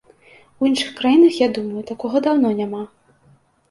У іншых краінах, я думаю, такога даўно няма.